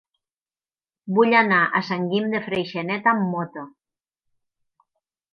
Vull anar a Sant Guim de Freixenet amb moto.